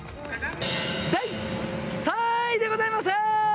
第３位でございます！